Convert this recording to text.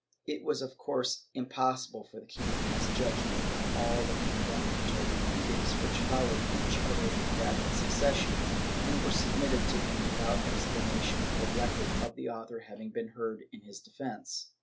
It was of course impossible for the king to pass judgement on all the condemnatory edicts which followed each other in rapid succession and were submitted to him without explanation or record of the author having been heard in his defence.